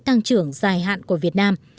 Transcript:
tăng trưởng dài hạn của việt nam